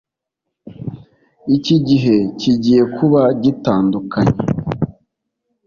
iki gihe kigiye kuba gitandukanye